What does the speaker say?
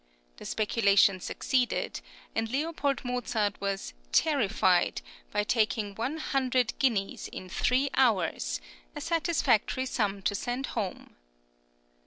The speculation succeeded, and L. Mozart "was terrified" by taking one hundred guineas in three hours a satisfactory sum to send home.